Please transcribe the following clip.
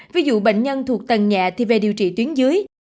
ví dụ bệnh nhân thuộc tầng nhẹ thì về điều trị tuyến dưới